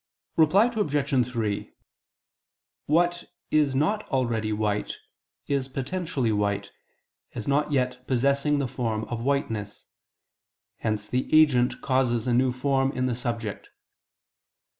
Reply Obj. 3: What is not already white, is potentially white, as not yet possessing the form of whiteness: hence the agent causes a new form in the subject.